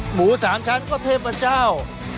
หมูสามชั้นก็เทพเจ้า